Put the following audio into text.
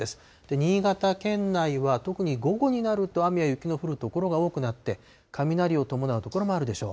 新潟県内は特に午後になると雨や雪の降る所が多くなって、雷を伴う所もあるでしょう。